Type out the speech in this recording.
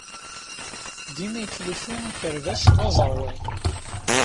Dima yettlusu akerbas d aẓerwal.